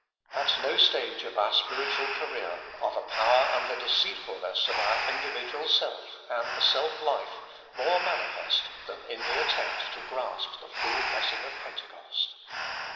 At no stage of our spiritual career are the power and the deceitfulness of our individual self and the self life more manifest than in the attempt to grasp the full blessing of Pentecost.